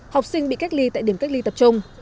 học sinh bị cách ly tại điểm cách ly tập trung